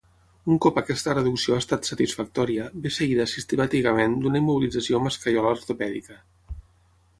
Un cop aquesta reducció ha estat satisfactòria, ve seguida sistemàticament d'una immobilització amb escaiola ortopèdica.